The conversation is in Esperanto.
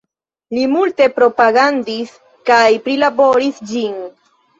Li multe propagandis kaj prilaboris ĝin.